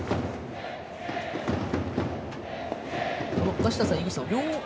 梨田さん、井口さん